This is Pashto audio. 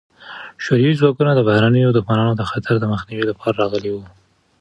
شوروي ځواکونه د بهرنیو دښمنانو د خطر د مخنیوي لپاره راغلي وو.